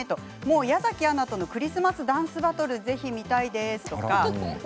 矢崎アナとのクリスマスダンスバトルぜひ見たいです。